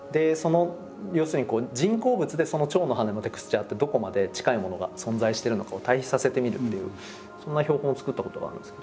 要するに人工物でその蝶の羽のテクスチャーってどこまで近いものが存在してるのかを対比させてみるっていうそんな標本を作ったことがあるんですけど。